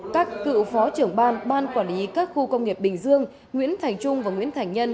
các cựu phó trưởng ban ban quản lý các khu công nghiệp bình dương nguyễn thành trung và nguyễn thành nhân